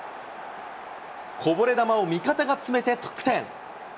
こぼれ球を味方が詰めて得点。